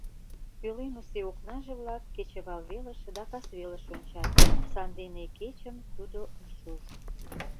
Пӧлемысе окнаже-влак кечывалвелыш да касвелыш ончат, сандене кечым тудо ыш уж..